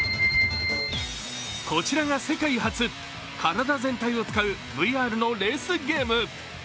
こちらが世界初、体全体を使うＶＲのレースゲーム。